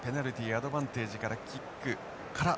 アドバンテージからキックからトライ。